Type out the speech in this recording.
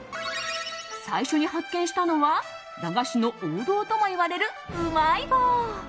最初に発見したのは駄菓子の王道ともいわれるうまい棒。